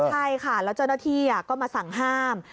ใช่ค่ะแล้วเจ้าหน้าที่ก็มาสั่งห้าม